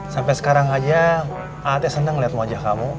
sejak sekarang aja ah teh seneng liat wajah kamu